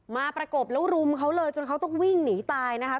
ประกบแล้วรุมเขาเลยจนเขาต้องวิ่งหนีตายนะคะ